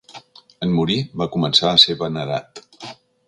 En morir, va començar a ser venerat.